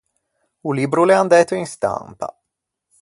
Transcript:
O libbro o l’é andæto in stampa.